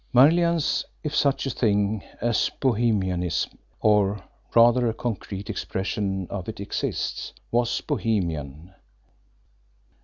Marlianne's, if such a thing as Bohemianism, or, rather, a concrete expression of it exists, was Bohemian.